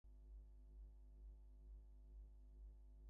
The dust produced from powder down feathers is a known allergen in humans.